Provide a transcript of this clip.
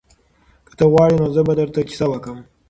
که ته غواړې نو زه به درته کیسه وکړم.